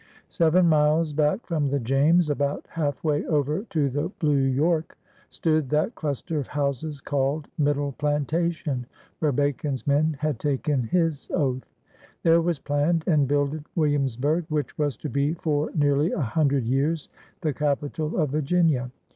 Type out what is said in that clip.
Seven miles back from the James, about half way over to the blue York, stood that cluster of houses called Middle Plantation, where Bacon's mea had taken his Oath. There was planned and builded Williamsburg, which was to be for nearly a hundred years the capital of Virginia.